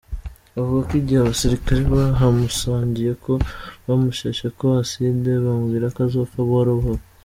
Avuga ko igihe abasirikare bahamusangiye ko bamushesheko "acide" bamubwira ko azopfa buhorobuhoro.